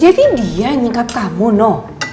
jadi dia yang nyekap kamu no